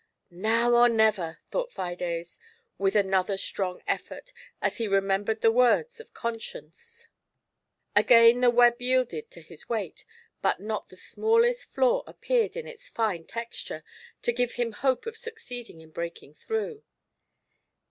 "Now or never !" thought Fides, with another strong effort, as he remembered the words of Conscience. Again the web yielded to his weight, but not the smallest flaw appeared in its fine texture to give him hope of succeeding in breaking through.